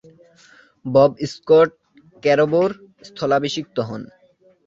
Bob Scott স্কারবোরোর স্থলাভিষিক্ত হন।